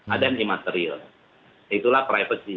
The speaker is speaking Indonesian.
ada yang imaterial itulah privacy